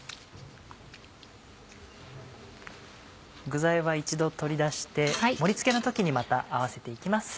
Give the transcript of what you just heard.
具材は一度取り出して盛り付けの時にまた合わせて行きます。